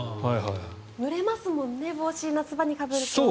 蒸れますもんね帽子、夏場にかぶると。